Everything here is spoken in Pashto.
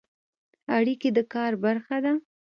اړیکې د کار برخه ده